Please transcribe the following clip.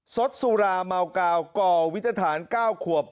สดสุราเมากาวก่อวิทธาน๙ขวบ